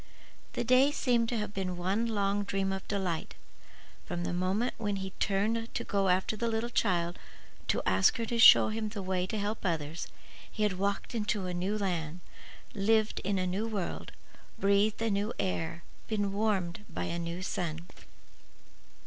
The day seemed to have been one long dream of delight. From the moment when he had turned to go after the little child to ask her to show him the way to help others, he had walked in a new land; lived in a new world; breathed a new air; been warmed by a new sun.